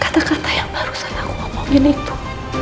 kata kata yang barusan aku ngomongin itu